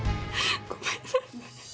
ごめんなさい。